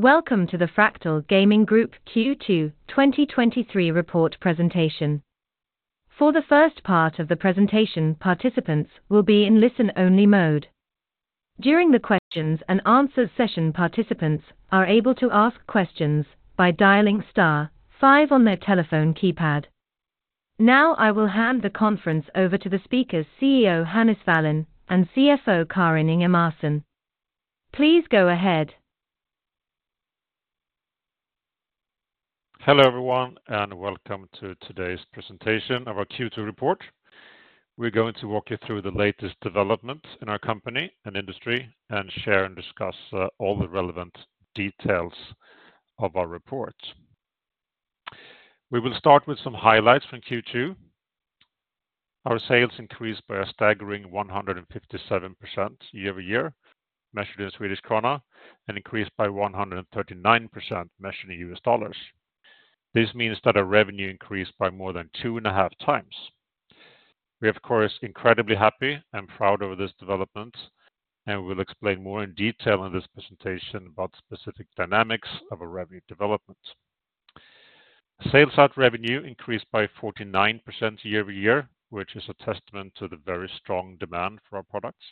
Welcome to the Fractal Gaming Group Q2 2023 report presentation. For the first part of the presentation, participants will be in listen-only mode. During the questions and answers session, participants are able to ask questions by dialing star five on their telephone keypad. Now, I will hand the conference over to the speakers, CEO Hannes Wallin, and CFO Karin Ingemarsson. Please go ahead. Hello, everyone, and welcome to today's presentation of our Q2 report. We're going to walk you through the latest developments in our company and industry and share and discuss all the relevant details of our report. We will start with some highlights from Q2. Our sales increased by a staggering 157% year-over-year, measured in Swedish krona, and increased by 139%, measured in US dollars. This means that our revenue increased by more than 2.5x. We are, of course, incredibly happy and proud of this development, and we will explain more in detail in this presentation about specific dynamics of our revenue development. Sales out revenue increased by 49% year-over-year, which is a testament to the very strong demand for our products.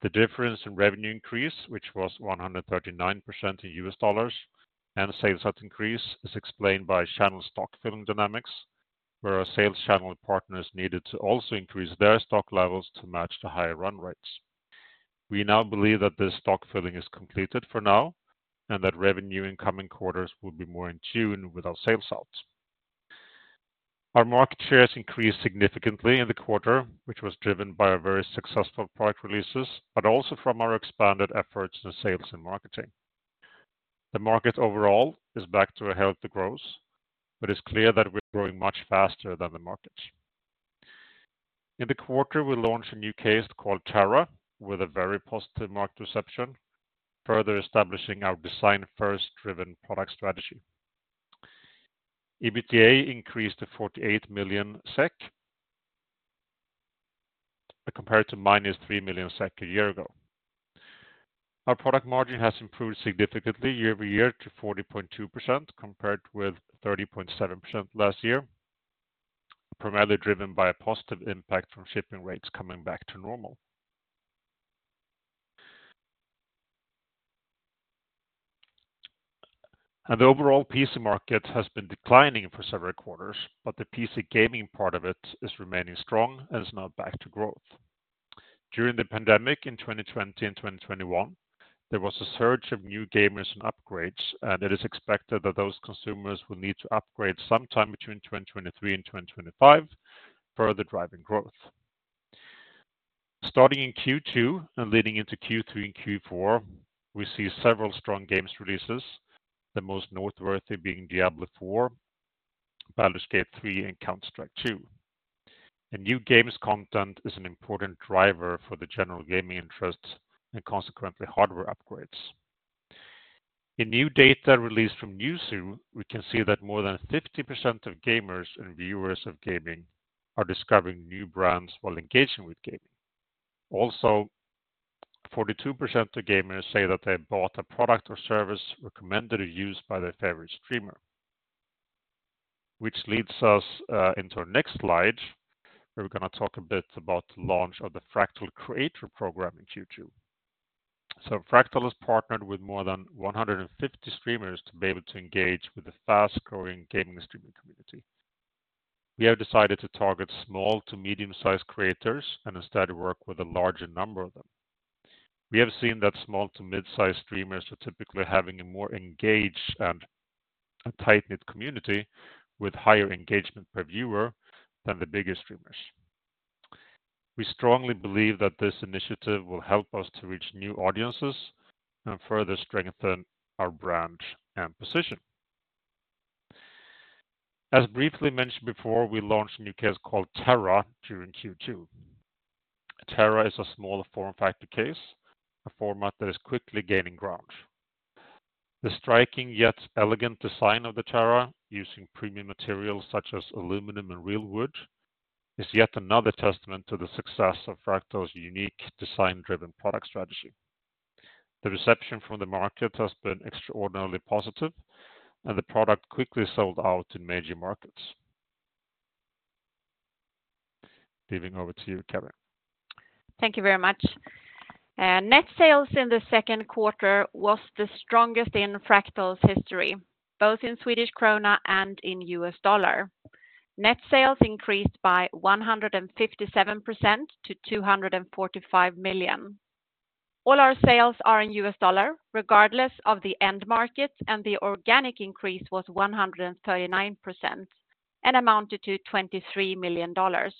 The difference in revenue increase, which was 139% in US dollars, and sales increase, is explained by channel stock filling dynamics, where our sales channel partners needed to also increase their stock levels to match the higher run rates. We now believe that this stock filling is completed for now, and that revenue in coming quarters will be more in tune with our sales out. Our market share has increased significantly in the quarter, which was driven by our very successful product releases, but also from our expanded efforts in sales and marketing. The market overall is back to a healthy growth, but it's clear that we're growing much faster than the market. In the quarter, we launched a new case called Terra, with a very positive market reception, further establishing our design-first driven product strategy. EBITDA increased to 48 million SEK, compared to -3 million SEK a year ago. Our product margin has improved significantly year-over-year to 40.2%, compared with 30.7% last year, primarily driven by a positive impact from shipping rates coming back to normal. The overall PC market has been declining for several quarters, but the PC gaming part of it is remaining strong and is now back to growth. During the pandemic in 2020 and 2021, there was a surge of new gamers and upgrades, it is expected that those consumers will need to upgrade sometime between 2023 and 2025, further driving growth. Starting in Q2 and leading into Q3 and Q4, we see several strong games releases, the most noteworthy being Diablo IV, Baldur's Gate 3, and Counter-Strike 2. A new games content is an important driver for the general gaming interest and consequently, hardware upgrades. In new data released from Newzoo, we can see that more than 50% of gamers and viewers of gaming are discovering new brands while engaging with gaming. Also, 42% of gamers say that they bought a product or service recommended or used by their favorite streamer, which leads us into our next slide, where we're going to talk a bit about the launch of the Fractal Creator Program in Q2. Fractal has partnered with more than 150 streamers to be able to engage with the fast-growing gaming streaming community. We have decided to target small to medium-sized creators and instead work with a larger number of them. We have seen that small to mid-sized streamers are typically having a more engaged and a tight-knit community with higher engagement per viewer than the bigger streamers. We strongly believe that this initiative will help us to reach new audiences and further strengthen our brand and position. As briefly mentioned before, we launched a new case called Terra during Q2. Terra is a smaller form factor case, a format that is quickly gaining ground. The striking yet elegant design of the Terra, using premium materials such as aluminum and real wood, is yet another testament to the success of Fractal's unique design-driven product strategy. The reception from the market has been extraordinarily positive, and the product quickly sold out in major markets. Leaving over to you, Karin. Thank you very much. Net sales in second quarter was the strongest in Fractal's history, both in Swedish krona and in US dollar. Net sales increased by 157% to $245 million. All our sales are in US dollar, regardless of the end market, and the organic increase was 139% and amounted to $23 million. The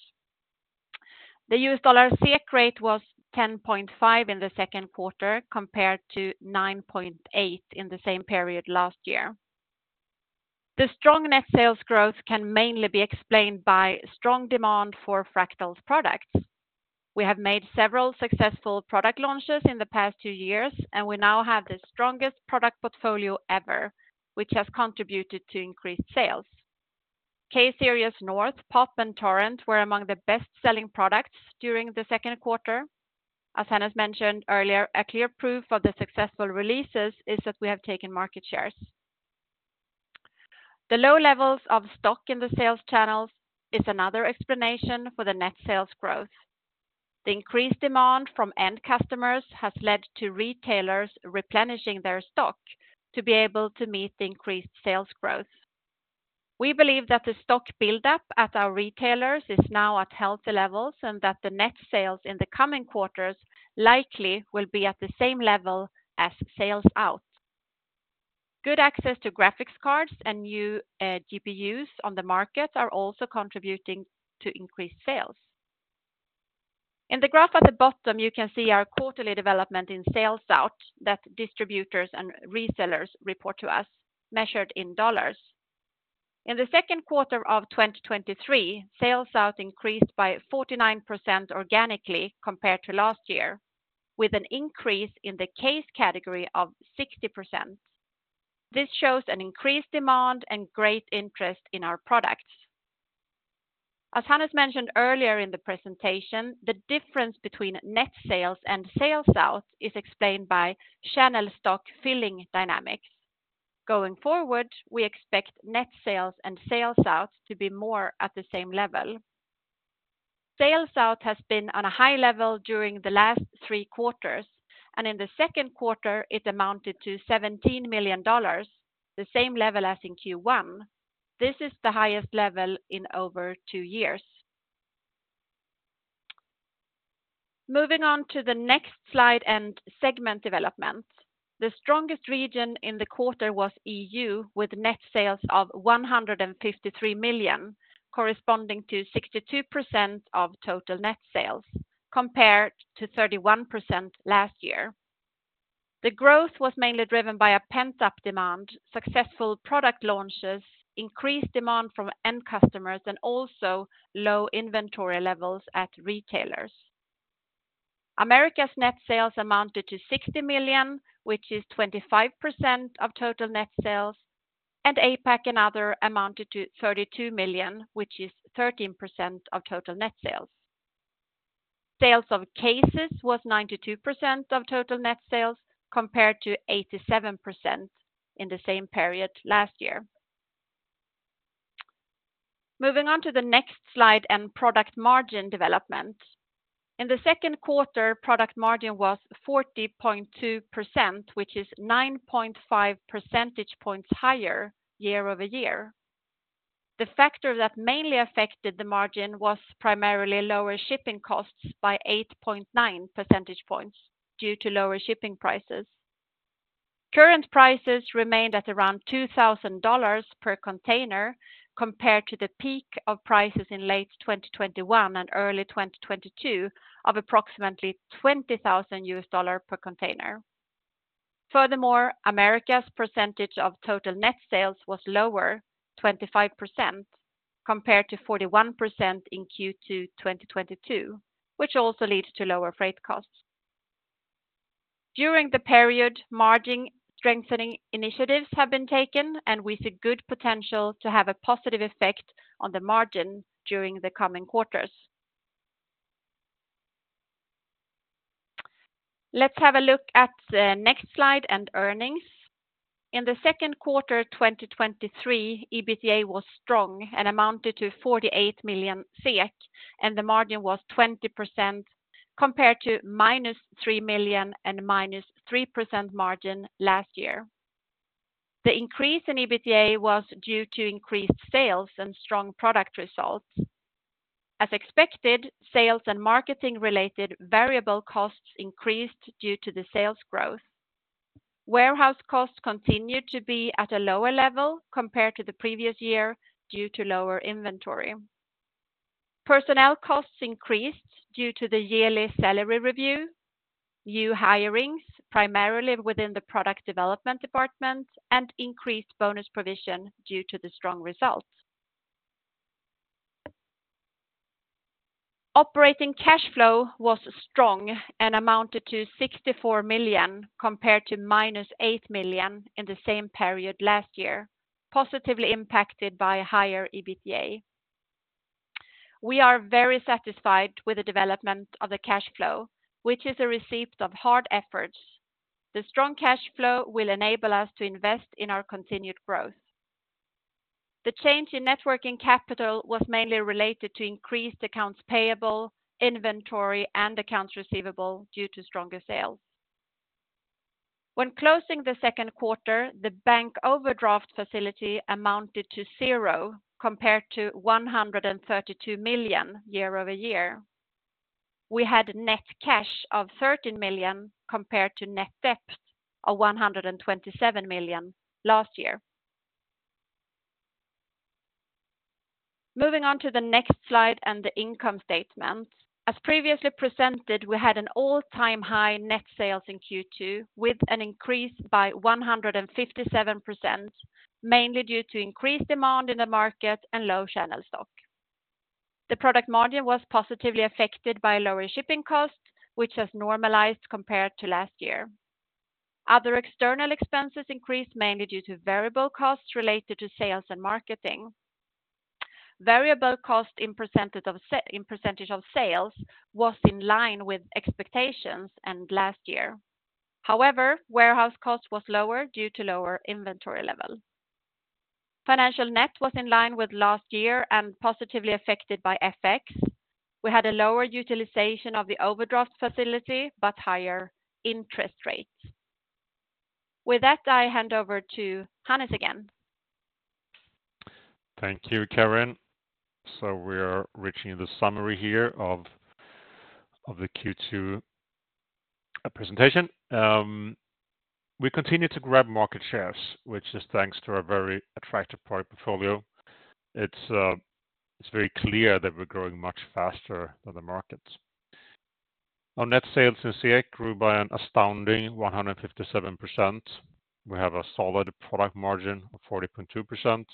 USD/SEK rate was 10.5 in second quarter, compared to 9.8 in the same period last year. The strong net sales growth can mainly be explained by strong demand for Fractal's products. We have made several successful product launches in the past two years, and we now have the strongest product portfolio ever, which has contributed to increased sales. K-Series North, Pop and Torrent were among the best-selling products during second quarter. As Hannes mentioned earlier, a clear proof of the successful releases is that we have taken market shares. The low levels of stock in the sales channels is another explanation for the net sales growth. The increased demand from end customers has led to retailers replenishing their stock to be able to meet the increased sales growth. We believe that the stock buildup at our retailers is now at healthy levels, and that the net sales in the coming quarters likely will be at the same level as sales out. Good access to graphics cards and new GPUs on the market are also contributing to increased sales. In the graph at the bottom, you can see our quarterly development in sales out that distributors and resellers report to us, measured in $. In the second quarter of 2023, sales out increased by 49% organically compared to last year, with an increase in the case category of 60%. This shows an increased demand and great interest in our products. As Hannes mentioned earlier in the presentation, the difference between net sales and sales out is explained by channel stock filling dynamics. Going forward, we expect net sales and sales out to be more at the same level. Sales out has been on a high level during the last three quarters, and in the second quarter, it amounted to $17 million, the same level as in Q1. This is the highest level in over two years. Moving on to the next slide and segment development. The strongest region in the quarter was EU, with net sales of 153 million, corresponding to 62% of total net sales, compared to 31% last year. The growth was mainly driven by a pent-up demand, successful product launches, increased demand from end customers, and also low inventory levels at retailers. Americas net sales amounted to 60 million, which is 25% of total net sales, and APAC and other amounted to 32 million, which is 13% of total net sales. Sales of cases was 92% of total net sales, compared to 87% in the same period last year. Moving on to the next slide and product margin development. In the second quarter, product margin was 40.2%, which is 9.5 percentage points higher year-over-year. The factor that mainly affected the margin was primarily lower shipping costs by 8.9 percentage points due to lower shipping prices. Current prices remained at around $2,000 per container, compared to the peak of prices in late 2021 and early 2022 of approximately $20,000 per container. Furthermore, Americas percentage of total net sales was lower, 25%, compared to 41% in Q2 2022, which also leads to lower freight costs. During the period, margin strengthening initiatives have been taken, and we see good potential to have a positive effect on the margin during the coming quarters. Let's have a look at the next slide and earnings. In the second quarter 2023, EBITDA was strong and amounted to 48 million SEK, and the margin was 20% compared to -3 million and -3% margin last year. The increase in EBITDA was due to increased sales and strong product results. As expected, sales and marketing-related variable costs increased due to the sales growth. Warehouse costs continued to be at a lower level compared to the previous year due to lower inventory. Personnel costs increased due to the yearly salary review, new hirings, primarily within the product development department, and increased bonus provision due to the strong results. Operating cash flow was strong and amounted to 64 million, compared to -8 million in the same period last year, positively impacted by higher EBITDA. We are very satisfied with the development of the cash flow, which is a receipt of hard efforts. The strong cash flow will enable us to invest in our continued growth. The change in net working capital was mainly related to increased accounts payable, inventory, and accounts receivable due to stronger sales. When closing the second quarter, the bank overdraft facility amounted to zero, compared to 132 million year-over-year. We had net cash of 13 million compared to net debt of 127 million last year. Moving on to the next slide and the income statement. As previously presented, we had an all-time high net sales in Q2, with an increase by 157%, mainly due to increased demand in the market and low channel stock. The product margin was positively affected by lower shipping costs, which has normalized compared to last year. Other external expenses increased mainly due to variable costs related to sales and marketing. Variable cost in percentage of sales was in line with expectations and last year. However, warehouse cost was lower due to lower inventory level. Financial net was in line with last year and positively affected by FX. We had a lower utilization of the overdraft facility, but higher interest rates. With that, I hand over to Hannes again. Thank you, Karin. We are reaching the summary here of the Q2 presentation. We continue to grab market shares, which is thanks to our very attractive product portfolio. It's very clear that we're growing much faster than the market. Our net sales in SEK grew by an astounding 157%. We have a solid product margin of 40.2%.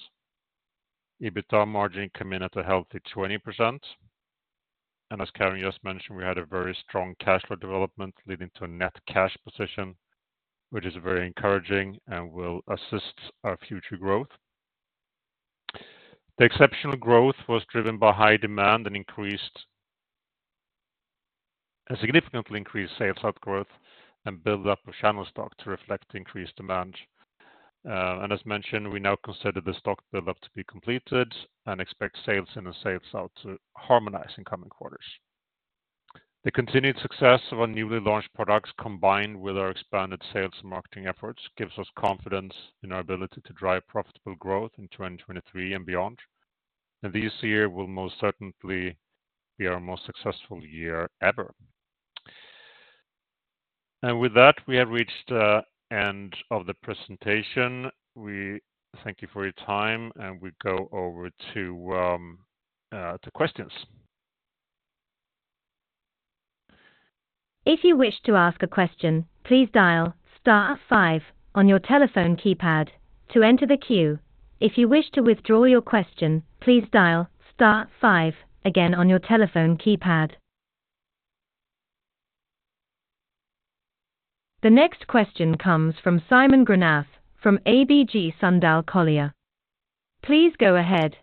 EBITDA margin come in at a healthy 20%, and as Karin just mentioned, we had a very strong cash flow development, leading to a net cash position, which is very encouraging and will assist our future growth. The exceptional growth was driven by high demand and a significantly increased sales out growth and build up of channel stock to reflect increased demand. As mentioned, we now consider the stock build up to be completed and expect sales in and sales out to harmonize in coming quarters. The continued success of our newly launched products, combined with our expanded sales and marketing efforts, gives us confidence in our ability to drive profitable growth in 2023 and beyond. This year will most certainly be our most successful year ever. With that, we have reached the end of the presentation. We thank you for your time, and we go over to questions. If you wish to ask a question, please dial star five on your telephone keypad to enter the queue. If you wish to withdraw your question, please dial star five again on your telephone keypad. The next question comes from Simon Granath, from ABG Sundal Collier. Please go ahead.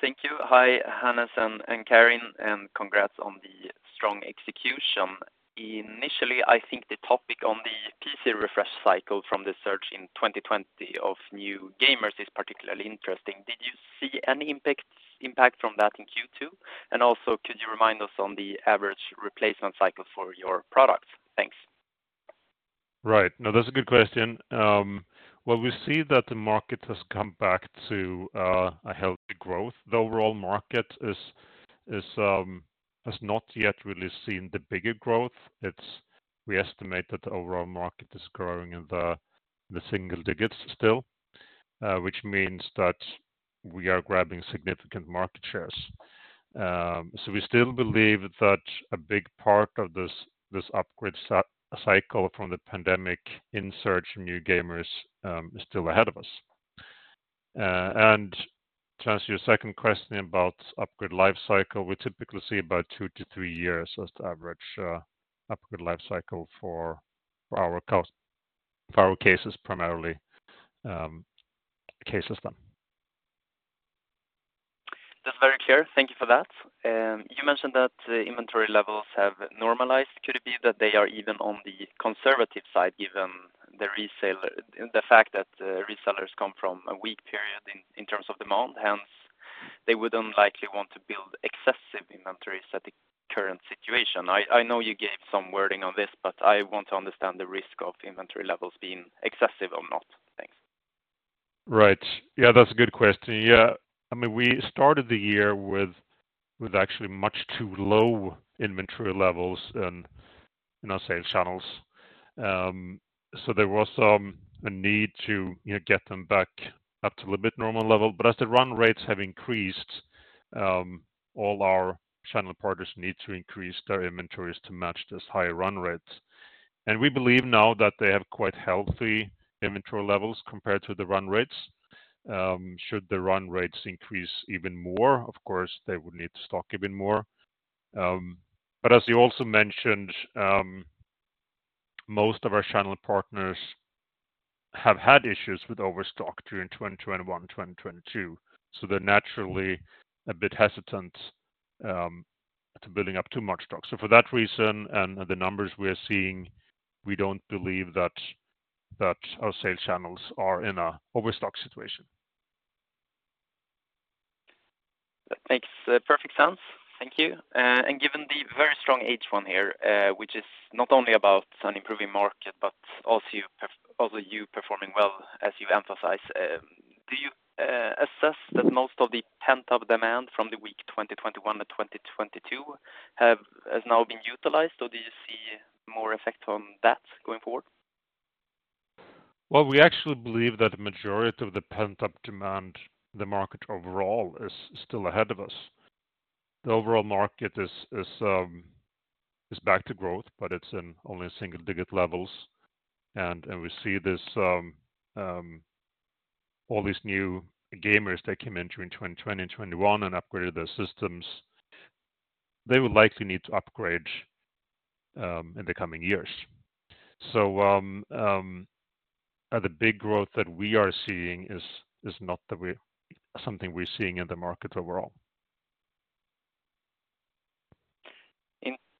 Thank you. Hi, Hannes and Karin, and congrats on the strong execution. Initially, I think the topic on the PC refresh cycle from the surge in 2020 of new gamers is particularly interesting. Did you see any impact from that in Q2? Also, could you remind us on the average replacement cycle for your products? Thanks. Right. No, that's a good question. Well, we see that the market has come back to a healthy growth. The overall market is, is, has not yet really seen the bigger growth. We estimate that the overall market is growing in the single digits still, which means that we are grabbing significant market shares. So we still believe that a big part of this, this upgrade cycle from the pandemic in surge new gamers, is still ahead of us. To answer your second question about upgrade life cycle, we typically see about two years-three years as the average upgrade life cycle for, for our cases, primarily, case system. That's very clear. Thank you for that. You mentioned that the inventory levels have normalized. Could it be that they are even on the conservative side, given the reseller... The fact that resellers come from a weak period in, in terms of demand, hence, they would unlikely want to build excessive inventories at the current situation? I, I know you gave some wording on this, but I want to understand the risk of inventory levels being excessive or not. Thanks. Right. Yeah, that's a good question. Yeah. I mean, we started the year with, with actually much too low inventory levels in, in our sales channels. so there was a need to, you know, get them back up to a bit normal level. As the run rates have increased, all our channel partners need to increase their inventories to match this higher run rates. We believe now that they have quite healthy inventory levels compared to the run rates. Should the run rates increase even more, of course, they would need to stock even more. As you also mentioned, most of our channel partners have had issues with overstock during 2021, 2022, so they're naturally a bit hesitant to building up too much stock. For that reason and the numbers we are seeing, we don't believe that our sales channels are in a overstock situation. That makes perfect sense. Thank you. Given the very strong H1 here, which is not only about an improving market, but also you, also you performing well as you've emphasized. Do you assess that most of the pent-up demand from the weak 2021 to 2022 has now been utilized, or do you see more effect on that going forward? Well, we actually believe that the majority of the pent-up demand, the market overall is still ahead of us. The overall market is, is, is back to growth, but it's in only single-digit levels. We see this, all these new gamers that came in during 2020 and 2021 and upgraded their systems, they will likely need to upgrade in the coming years. The big growth that we are seeing is, is not something we're seeing in the market overall.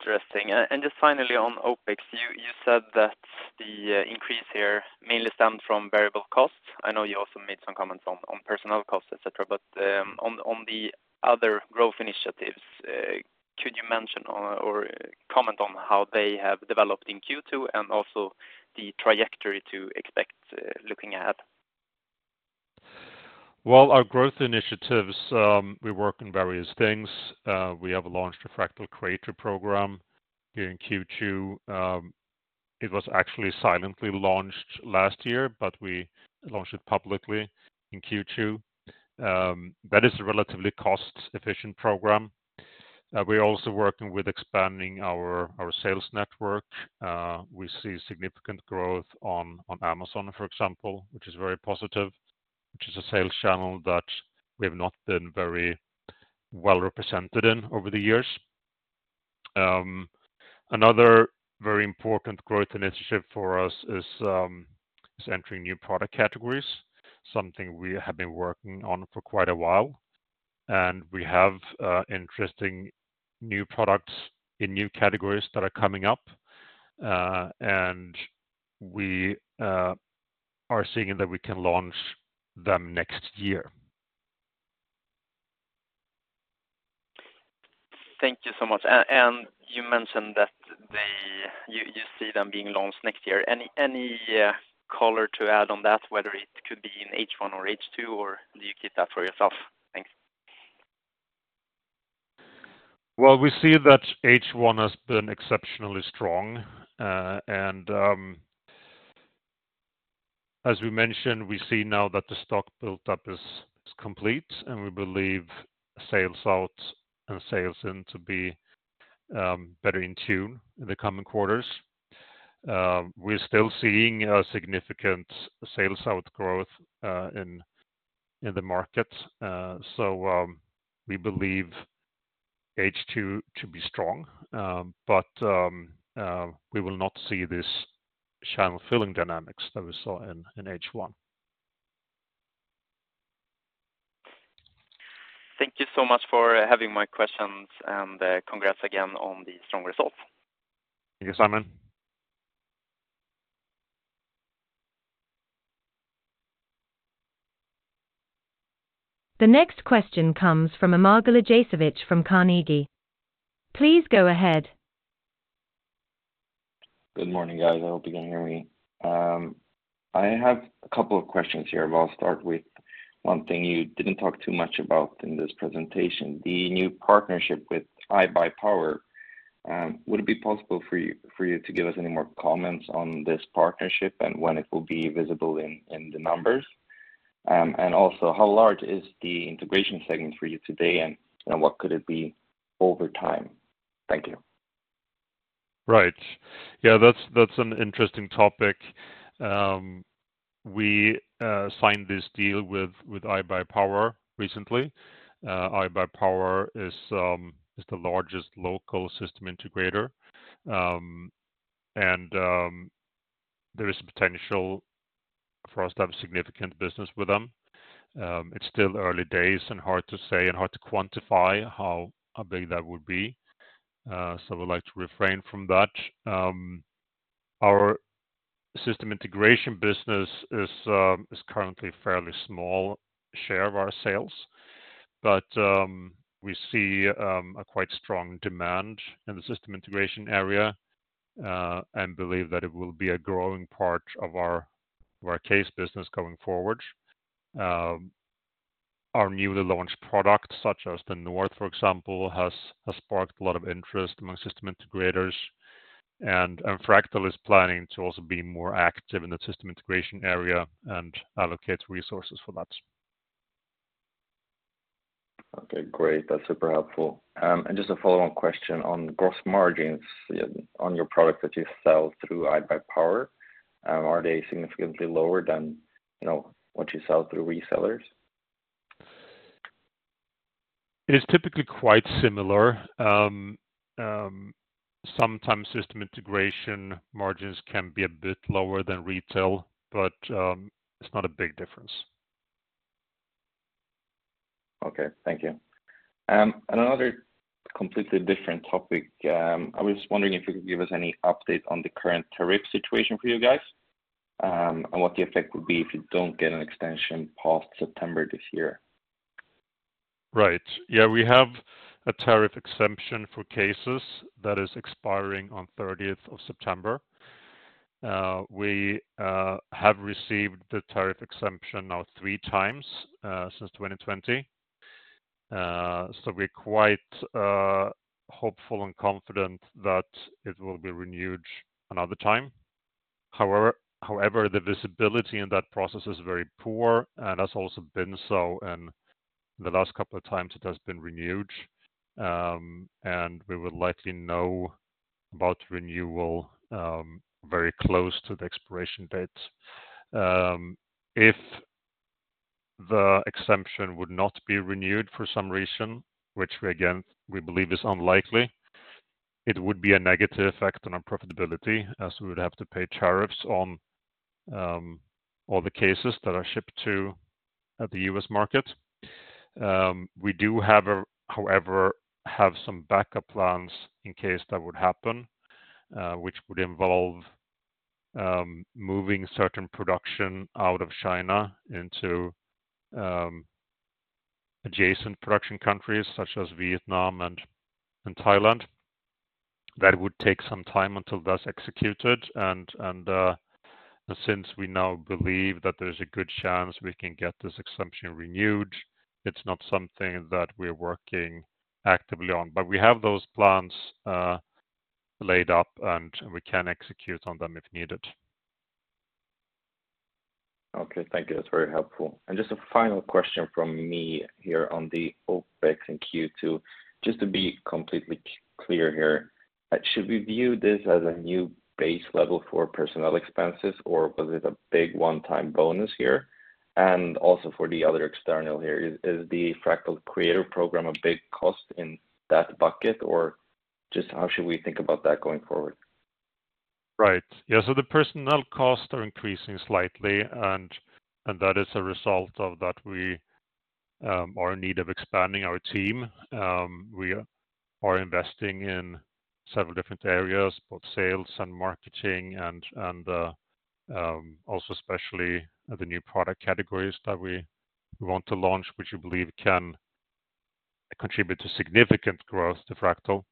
Interesting. Just finally, on OpEx, you, you said that the increase here mainly stemmed from variable costs. I know you also made some comments on, on personnel costs, et cetera, but on, on the other growth initiatives, could you mention or, or comment on how they have developed in Q2 and also the trajectory to expect, looking ahead? Well, our growth initiatives, we work on various things. We have launched a Fractal Creator Program here in Q2. It was actually silently launched last year, but we launched it publicly in Q2. That is a relatively cost-efficient program. We're also working with expanding our, our sales network. We see significant growth on, on Amazon, for example, which is very positive, which is a sales channel that we have not been very well represented in over the years. Another very important growth initiative for us is, is entering new product categories, something we have been working on for quite a while, and we have interesting new products in new categories that are coming up, and we are seeing that we can launch them next year. Thank you so much. You mentioned that the You see them being launched next year. Any, any color to add on that, whether it could be in H1 or H2, or do you keep that for yourself? Thanks. Well, we see that H1 has been exceptionally strong. As we mentioned, we see now that the stock build-up is, is complete, and we believe sales out and sales in to be better in tune in the coming quarters. We're still seeing a significant sales out growth in, in the market. We believe H2 to be strong. We will not see this channel filling dynamics that we saw in, in H1. Thank you so much for having my questions, and, congrats again on the strong results. Thank you, Simon. The next question comes from Amar Galijasevic from Carnegie. Please go ahead. Good morning, guys. I hope you can hear me. I have a couple of questions here, but I'll start with one thing you didn't talk too much about in this presentation, the new partnership with iBUYPOWER. Would it be possible for you, for you to give us any more comments on this partnership and when it will be visible in, in the numbers? Also, how large is the integration segment for you today, and, and what could it be over time? Thank you. Right. Yeah, that's, that's an interesting topic. We signed this deal with iBUYPOWER recently. iBUYPOWER is the largest local system integrator, and there is potential for us to have significant business with them. It's still early days and hard to say and hard to quantify how big that would be, so I would like to refrain from that. Our system integration business is currently a fairly small share of our sales, but we see a quite strong demand in the system integration area, and believe that it will be a growing part of our case business going forward. Our newly launched product, such as the North, for example, has sparked a lot of interest among system integrators, and Fractal is planning to also be more active in the system integration area and allocate resources for that. Okay, great. That's super helpful. Just a follow-on question on gross margins on your product that you sell through iBUYPOWER, are they significantly lower than, you know, what you sell through resellers? It is typically quite similar. Sometimes system integration margins can be a bit lower than retail, but it's not a big difference. Okay. Thank you. Another completely different topic, I was wondering if you could give us any update on the current tariff situation for you guys, and what the effect would be if you don't get an extension past September this year? Right. Yeah, we have a tariff exemption for cases that is expiring on 30th of September. We have received the tariff exemption now three times since 2020. So we're quite hopeful and confident that it will be renewed another time. However, however, the visibility in that process is very poor, and that's also been so in the last couple of times it has been renewed, and we would likely know about renewal very close to the expiration date. If the exemption would not be renewed for some reason, which again, we believe is unlikely, it would be a negative effect on our profitability, as we would have to pay tariffs on all the cases that are shipped to, at the U.S. market. We do have however, have some backup plans in case that would happen, which would involve moving certain production out of China into adjacent production countries such as Vietnam and Thailand. That would take some time until that's executed, and, and since we now believe that there is a good chance we can get this exemption renewed, it's not something that we're working actively on. We have those plans laid up, and we can execute on them if needed. Okay, thank you. That's very helpful. Just a final question from me here on the OpEx in Q2, just to be completely clear here, should we view this as a new base level for personnel expenses, or was it a big one-time bonus here? Also for the other external here, is, is the Fractal Creator Program a big cost in that bucket, or just how should we think about that going forward? Right. Yeah, the personnel costs are increasing slightly, and, and that is a result of that we are in need of expanding our team. We are investing in several different areas, both sales and marketing and, and also especially the new product categories that we, we want to launch, which we believe can contribute to significant growth to Fractal.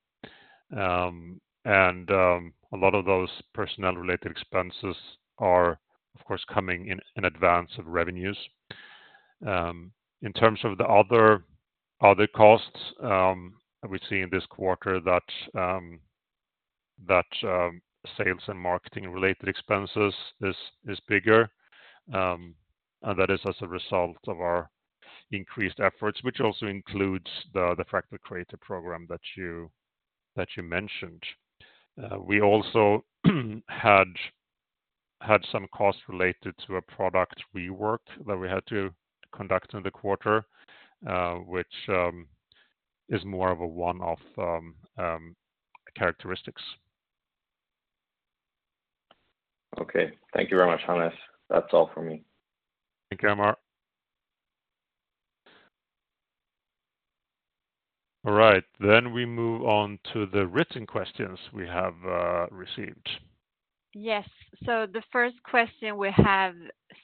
A lot of those personnel-related expenses are, of course, coming in, in advance of revenues. In terms of the other, other costs, we see in this quarter that sales and marketing-related expenses is, is bigger, and that is as a result of our increased efforts, which also includes the Fractal Creator program that you, that you mentioned. We also had, had some costs related to a product rework that we had to conduct in the quarter, which is more of a one-off characteristics. Okay. Thank you very much, Hannes. That's all for me. Thank you, Amar. All right, we move on to the written questions we have received. Yes. The first question we have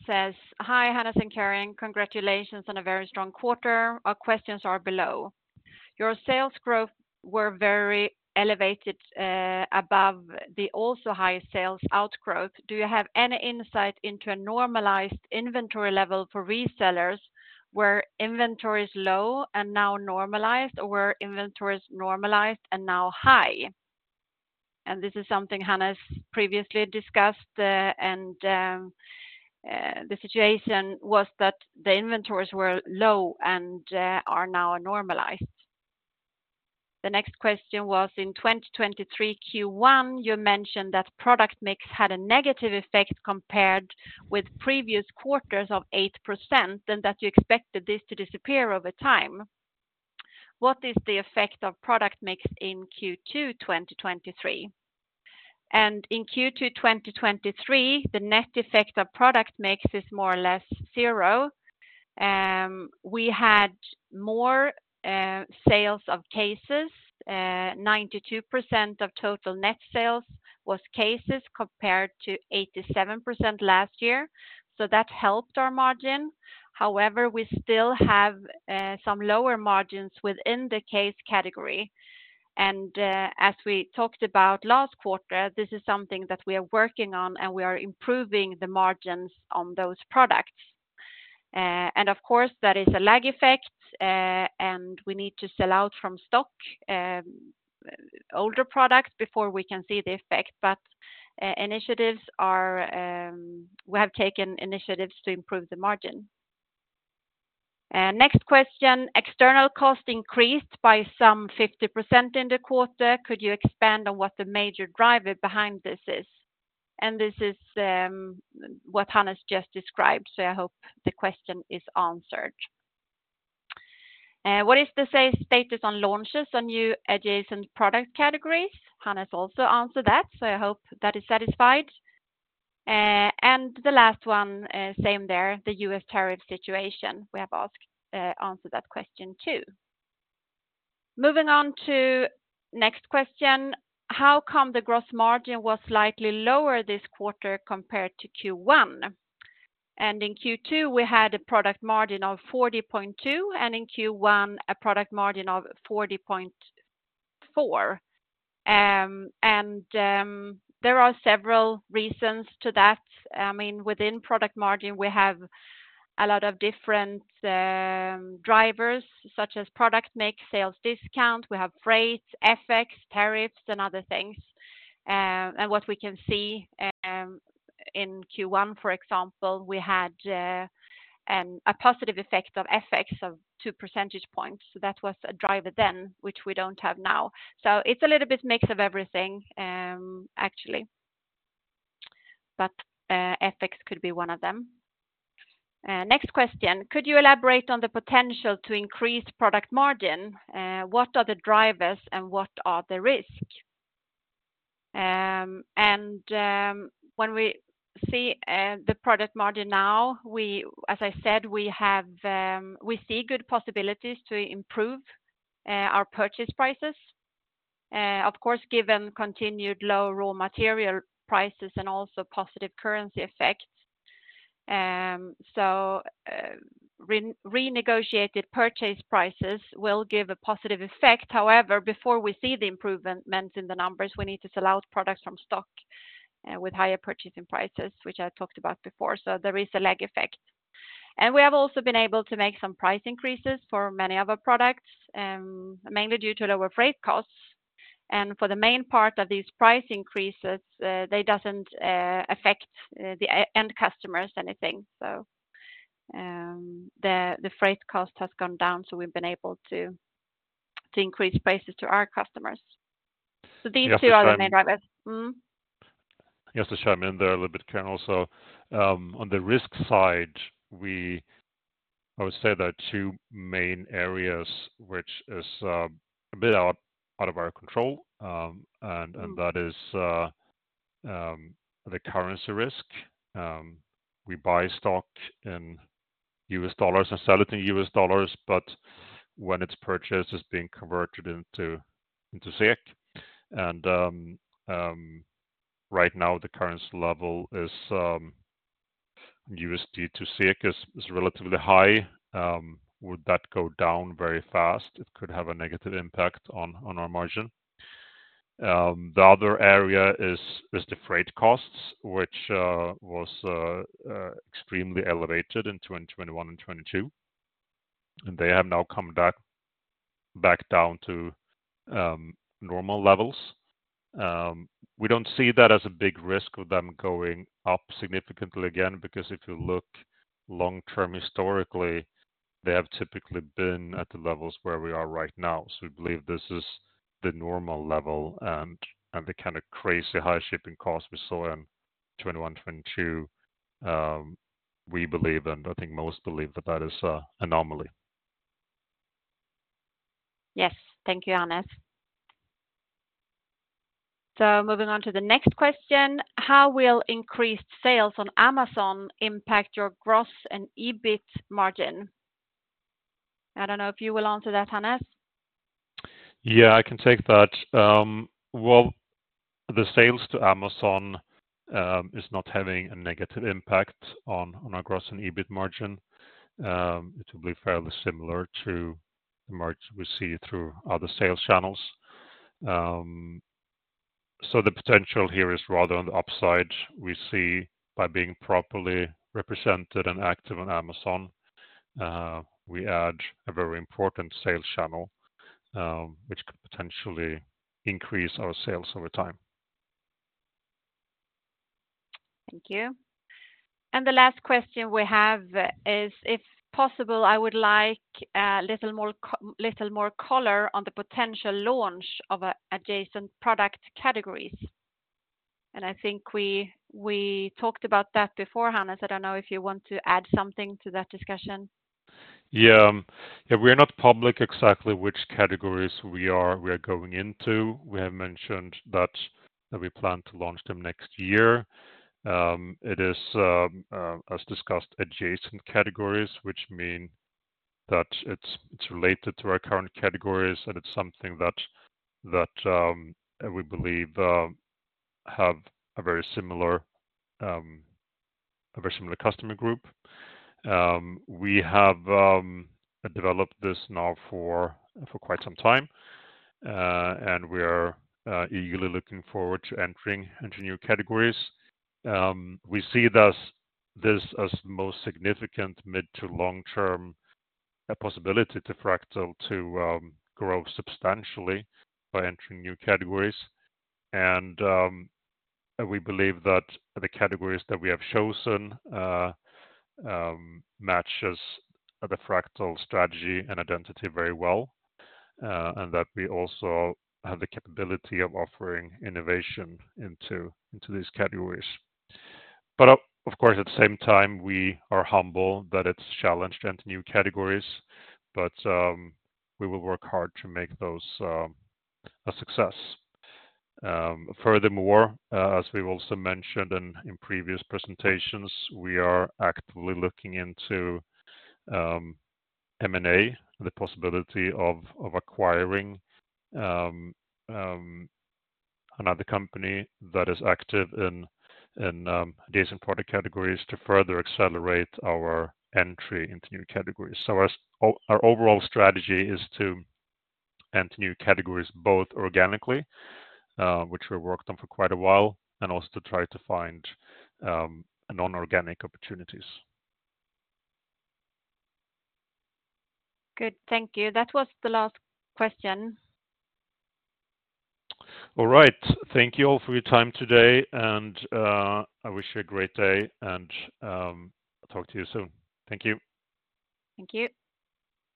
says: "Hi, Hannes and Karin. Congratulations on a very strong quarter. Our questions are below. Your sales growth were very elevated, above the also high sales outgrowth. Do you have any insight into a normalized inventory level for resellers, where inventory is low and now normalized, or where inventory is normalized and now high?" This is something Hannes previously discussed, and the situation was that the inventories were low and are now normalized. The next question was: "In 2023 Q1, you mentioned that product mix had a negative effect compared with previous quarters of 8%, and that you expected this to disappear over time. What is the effect of product mix in Q2 2023?" In Q2 2023, the net effect of product mix is more or less zero. We had more sales of cases. 92% of total net sales was cases compared to 87% last year, so that helped our margin. However, we still have some lower margins within the case category. As we talked about last quarter, this is something that we are working on, and we are improving the margins on those products. Of course, that is a lag effect, and we need to sell-out from stock older products before we can see the effect, but initiatives are... We have taken initiatives to improve the margin. Next question: "External cost increased by some 50% in the quarter. Could you expand on what the major driver behind this is?" This is what Hannes just described, so I hope the question is answered. What is the status on launches on new adjacent product categories?" Hannes also answered that, so I hope that is satisfied. The last one, same there, the US tariff situation. We have asked, answered that question, too. Moving on to next question: "How come the gross margin was slightly lower this quarter compared to Q1?" In Q2, we had a product margin of 40.2, and in Q1, a product margin of 40.4. There are several reasons to that. I mean, within product margin, we have a lot of different drivers, such as product mix, sales discount, we have freight, FX, tariffs, and other things. What we can see, in Q1, for example, we had a positive effect of FX of 2 percentage points. That was a driver then, which we don't have now. It's a little bit mix of everything, actually, but FX could be one of them. Next question: Could you elaborate on the potential to increase product margin? What are the drivers and what are the risks? When we see the product margin now, as I said, we have, we see good possibilities to improve our purchase prices. Of course, given continued low raw material prices and also positive currency effects. So, renegotiated purchase prices will give a positive effect. However, before we see the improvements in the numbers, we need to sell out products from stock, with higher purchasing prices, which I talked about before, so there is a lag effect. We have also been able to make some price increases for many of our products, mainly due to lower freight costs. For the main part of these price increases, they doesn't affect the end customers anything. The freight cost has gone down, so we've been able to increase prices to our customers. These two are the main drivers. Mm-hmm. Just to chime in there a little bit, Karin, also, on the risk side, I would say there are two main areas which is a bit out of our control, and that is the currency risk. We buy stock in US dollars and sell it in US dollars, but when it's purchased, it's being converted into SEK. Right now, the currency level USD/SEK is relatively high. Would that go down very fast? It could have a negative impact on our margin. The other area is the freight costs, which was extremely elevated in 2021 and 2022, and they have now come back down to normal levels. We don't see that as a big risk of them going up significantly again, because if you look long term, historically, they have typically been at the levels where we are right now. We believe this is the normal level, and the kind of crazy high shipping costs we saw in 2021, 2022, we believe, and I think most believe that that is an anomaly. Yes. Thank you, Hannes. Moving on to the next question: How will increased sales on Amazon impact your gross and EBIT margin? I don't know if you will answer that, Hannes. Yeah, I can take that. Well, the sales to Amazon, is not having a negative impact on, on our gross and EBIT margin. It will be fairly similar to the margin we see through other sales channels. The potential here is rather on the upside. We see by being properly represented and active on Amazon, we add a very important sales channel, which could potentially increase our sales over time. Thank you. The last question we have is: If possible, I would like a little more color on the potential launch of a adjacent product categories. I think we, we talked about that before, Hannes, I don't know if you want to add something to that discussion. Yeah. Yeah, we are not public exactly which categories we are, we are going into. We have mentioned that, that we plan to launch them next year. It is, as discussed, adjacent categories, which mean that it's, it's related to our current categories, and it's something that, that, we believe, have a very similar, a very similar customer group. We have developed this now for, for quite some time, and we are eagerly looking forward to entering into new categories. We see this, this as the most significant mid to long-term possibility to Fractal to grow substantially by entering new categories. We believe that the categories that we have chosen matches the Fractal strategy and identity very well, and that we also have the capability of offering innovation into, into these categories. Of course, at the same time, we are humble that it's challenged to enter new categories, but we will work hard to make those a success. Furthermore, as we've also mentioned in previous presentations, we are actively looking into M&A, the possibility of acquiring another company that is active in, in adjacent product categories to further accelerate our entry into new categories. Our overall strategy is to enter new categories, both organically, which we worked on for quite a while, and also to try to find non-organic opportunities. Good. Thank you. That was the last question. All right. Thank you all for your time today, and I wish you a great day and talk to you soon. Thank you. Thank you.